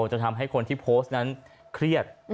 จะทำให้คนที่โพสต์นั้นเครียด